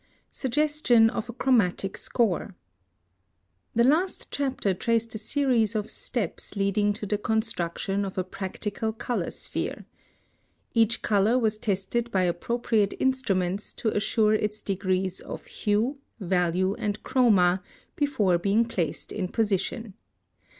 +Suggestion of a chromatic score.+ [Illustration: Fig. 21.] (132) The last chapter traced a series of steps leading to the construction of a practical color sphere. Each color was tested by appropriate instruments to assure its degree of hue, value, and chroma, before being placed in position.